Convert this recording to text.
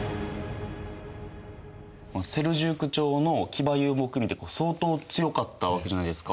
セルジューク朝の騎馬遊牧民って相当強かったわけじゃないですか。